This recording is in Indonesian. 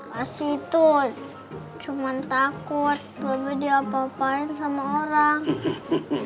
masih tuh cuma takut bapak diapa apain sama orang